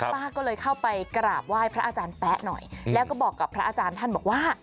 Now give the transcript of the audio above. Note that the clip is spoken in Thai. ป้าก็เลยเข้าไปกราบไหว้พระอาจารย์แป๊ะหน่อยแล้วก็บอกกับพระอาจารย์ท่านบอกว่า